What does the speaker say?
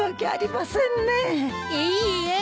いいえ。